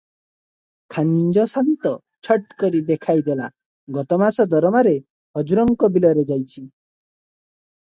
ଖାଞ୍ଜଶାନ୍ତ ଝଟ୍ କରି ଦେଖାଇ ଦେଲା ଗତମାସ- ଦରମାରେ ହଜୁରଙ୍କ ବିଲରେ ଯାଇଚି ।